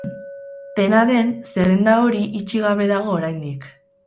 Dena den, zerrenda hori itxi gabe dago oraindik.